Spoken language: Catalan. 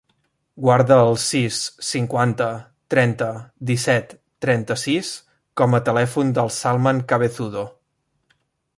Guarda el sis, cinquanta, trenta, disset, trenta-sis com a telèfon del Salman Cabezudo.